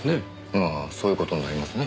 まあそういう事になりますね。